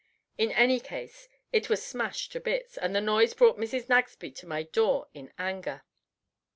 In any case it was smashed to bits, and the noise brought Mrs. Nagsby to my door in anger.